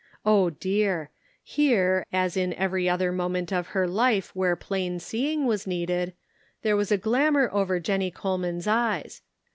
Oh, dear ! here, as in every other moment of her life 446 The Pocket Measure. where plain seeing was needed, there was a glamor over Jennie Coleraan's eyes.